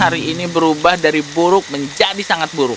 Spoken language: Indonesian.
hari ini berubah dari buruk menjadi sangat buruk